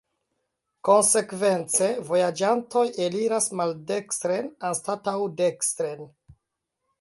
Konsekvence, vojaĝantoj eliras maldekstren anstataŭ dekstren.